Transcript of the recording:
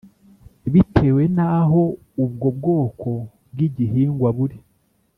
bitewe n aho ubwo bwoko bw igihingwa buri